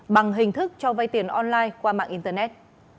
bằng hình thức cho vay tiền online qua mạng internet